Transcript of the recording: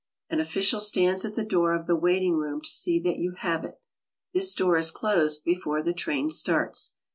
An official stands at the door of the waiting room to see that you have it. This door is closed before the train starts.